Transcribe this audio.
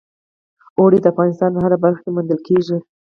اوړي د افغانستان په هره برخه کې موندل کېږي.